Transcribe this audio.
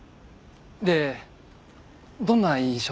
でどんな印象でしたか？